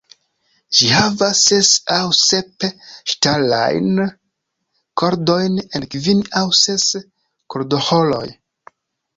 Ĝi havas ses aŭ sep ŝtalajn kordojn en kvin aŭ ses kordoĥoroj.